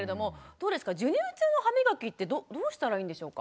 どうですか授乳中の歯みがきってどうしたらいいんでしょうか？